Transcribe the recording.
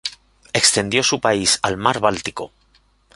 Extendió su país al mar Báltico.